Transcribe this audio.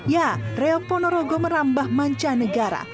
ya reoponorogo merambah manca negara